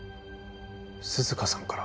涼香さんから？